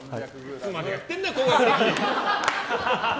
いつまでやってんだ高学歴！